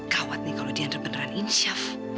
gawat nih kalau dia udah beneran insyaf